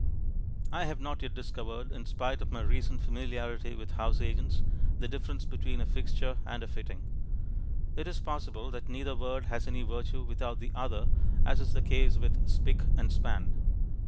I have not yet discovered, in spite of my recent familiarity with house agents, the difference between a fixture and a fitting. It is possible that neither word has any virtue without the other, as is the case with "spick" and "span."